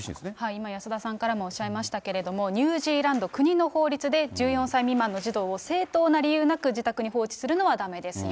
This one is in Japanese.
今、安田さんからもおっしゃいましたけど、ニュージーランド、国の法律で、１４歳未満の児童を正当な理由なく自宅に放置するのはだめですよ。